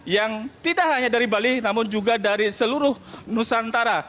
yang tidak hanya dari bali namun juga dari seluruh nusantara